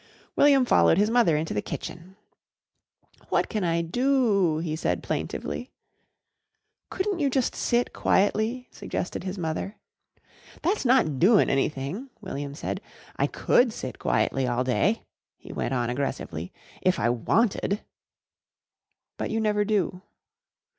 William followed his mother into the kitchen. "What can I do?" he said plaintively. "Couldn't you just sit quietly?" suggested his mother. "That's not doin' anything," William said. "I could sit quietly all day," he went on aggressively, "if I wanted." "But you never do."